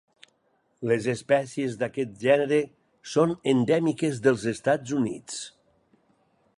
Les espècies d'aquest gènere són endèmiques dels Estats Units.